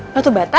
lo tuh bata